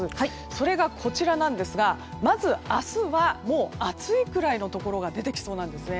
それが、こちらなんですがまず明日はもう暑いくらいのところが出てきそうなんですね。